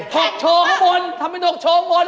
ถอกโชว์เข้ามนทำเป็นถอกโชว์เข้ามน